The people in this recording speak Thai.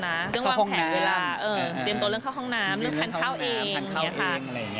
เท่าที่มีอีกแล้วจะต้องวางแผนเวลาเตรียมตัวเรื่องเข้าห้องน้ำเรื่องขันเข้าเอง